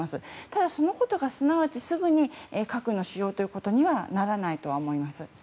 ただ、そのことがすぐにすなわち核の使用ということにはならないとは思います。